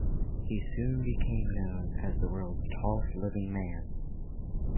He soon became known as the world's tallest living man.